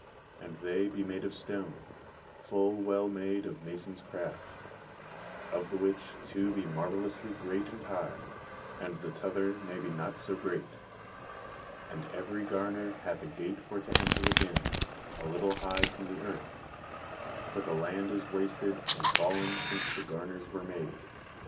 And they be made of stone, full well made of mason's craft; of the which two be marvellously great and high, and the tother ne be not so great. And every garner hath a gate for to enter within, a little high from the earth; for the land is wasted and fallen since the garners were made.